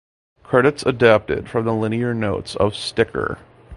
Credits adapted from the liner notes of "Sticker".